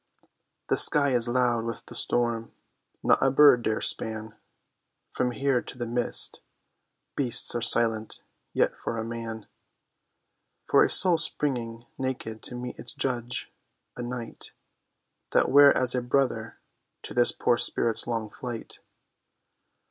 The sky is loud with the storm; not a bird dare span From here to the mist; beasts are silent; yet for a man, For a soul springing naked to meet its judge, a night That were as a brother to this poor spirit's long flight.